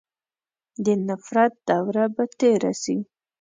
د نفرت دوره به تېره سي.